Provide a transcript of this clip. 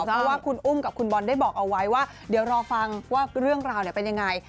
เพราะว่าคุณอุ้มกับคุณบอลได้บอกเอาไว้ว่าเดี๋ยวรอฟังว่าเรื่องราวเป็นยังไง